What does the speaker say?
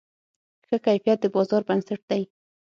ښه کیفیت د بازار بنسټ دی.